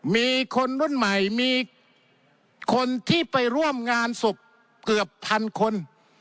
มีคนรุ่นใหม่มีคนที่ไปร่วมงานศพเกือบพันคน